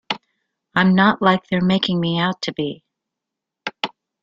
I'm not like they're making me out to be.